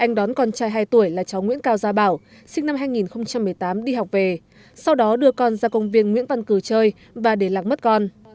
anh đón con trai hai tuổi là cháu nguyễn cao gia bảo sinh năm hai nghìn một mươi tám đi học về sau đó đưa con ra công viên nguyễn văn cử chơi và để lạc mất con